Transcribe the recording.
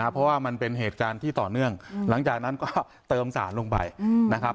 เพราะว่ามันเป็นเหตุการณ์ที่ต่อเนื่องหลังจากนั้นก็เติมสารลงไปนะครับ